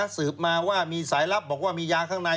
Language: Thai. สืบมาว่ามีสายลับบอกว่ามียาข้างใน